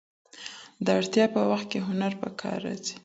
د اړتیا په وخت کې هنر په کار راځي.